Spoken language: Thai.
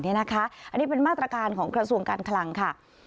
อันนี้เป็นมาตรการของกระทรวงการคลังค่ะ